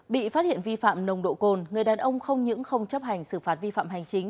bị phát hiện vi phạm nồng độ cồn người đàn ông không những không chấp hành xử phạt vi phạm hành chính